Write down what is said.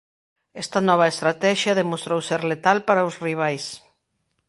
Esta nova estratexia demostrou ser letal para os rivais.